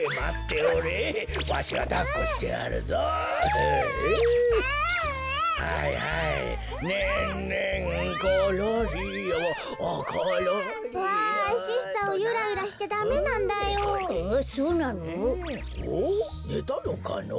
おっねたのかのぉ？